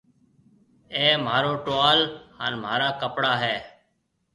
اَي مهارو ٽوال هانَ مهارا ڪپڙا هيَ۔